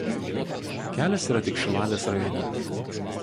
Kelias yra tik Šilalės rajone.